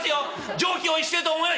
常軌を逸してると思い」。